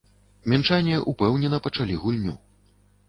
Мінчане ўпэўнена пачалі гульню.